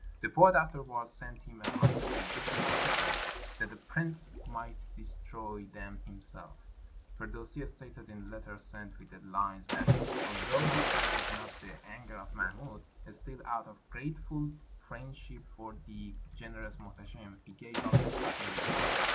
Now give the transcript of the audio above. The poet afterwards sent him a hundred indignant couplets, that the prince might destroy them himself. Firdusi stated in a letter sent with the lines that, although he dreaded not the anger of Mahmud, still, out of grateful friendship for the 384 THE BUILDING OF THE BRIDGE OF TUS generous Muhteshim, he gave up the cutting rebuke.